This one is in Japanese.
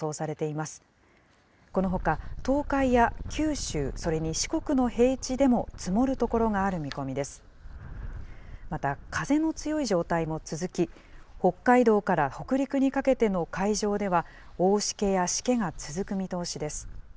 また、風の強い状態も続き、北海道から北陸にかけての海上では、大しけやしけが続く見通しです。